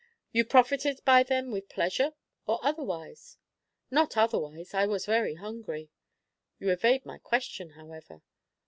"You profited by them with pleasure, or otherwise?" "Not otherwise. I was very hungry." "You evade my question, however."